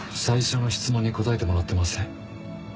最初の質問に答えてもらってません。